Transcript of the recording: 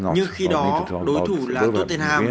nhưng khi đó đối thủ là tottenham